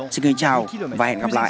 xin kính chào và hẹn gặp lại